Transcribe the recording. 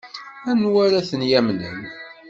Anwa ara ten-yamnen?